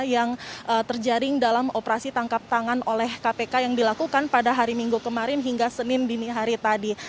yang terjaring dalam operasi tangkap tangan oleh kpk yang dilakukan pada hari minggu kemarin hingga senin dini hari tadi